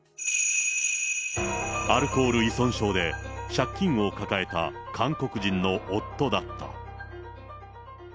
アルコール依存症で借金を抱えた韓国人の夫だった。